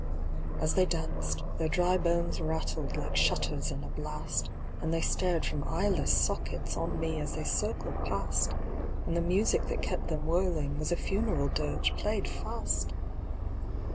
As they danced, their dry bones rattled Like shutters in a blast; And they stared from eyeless sockets On me as they circled past; And the music that kept them whirling Was a funeral dirge played fast.